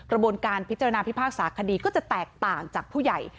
กระบวนการพิจารณาพิพากษาคดีก็จะแตกต่างจากผู้ใหญ่